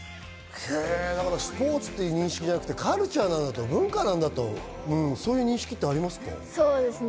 スポーツという認識じゃなくカルチャー、文化なんだとそういう認識ありますか？